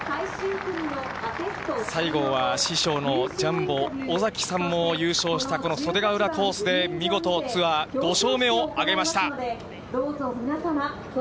最後は師匠のジャンボ尾崎さんも優勝した、この袖ヶ浦コースで見事、ツアー５勝目を挙げました。